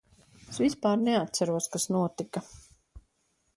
Es vispār neatceros, kas notika.